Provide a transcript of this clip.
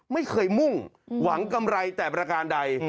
ไม่เคยมุ่งหวังกำไรแต่ประการใด